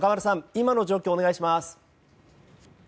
今の状況をお願いします。